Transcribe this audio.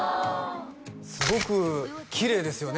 すごくきれいですよね